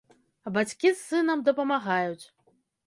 А бацькі з сынам дапамагаюць.